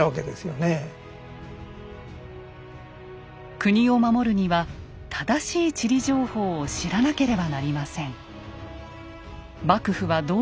国を守るには正しい地理情報を知らなければなりません。